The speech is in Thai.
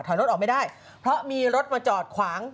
รถออกไม่ได้เพราะมีรถมาจอดขวาง